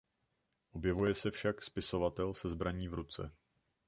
Objevuje se však spisovatel se zbraní v ruce.